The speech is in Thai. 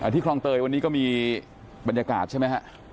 ที่คลองเตยวันนี้ก็มีบรรยากาศใช่ไหมฮะ